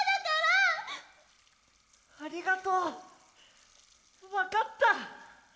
ありがとう分かった！